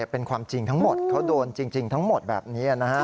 เป็นความจริงทั้งหมดเขาโดนจริงทั้งหมดแบบนี้นะฮะ